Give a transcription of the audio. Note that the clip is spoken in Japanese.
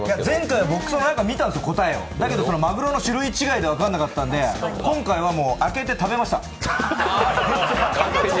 前回、僕、見たんですよ、答えマグロの種類違いで分からなかったんで、今回は、開けて食べました。